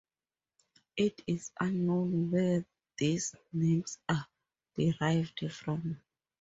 It is unknown where these names are derived from.